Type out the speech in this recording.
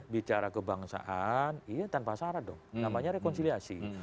bicara kebangsaan iya tanpa syarat dong namanya rekonsiliasi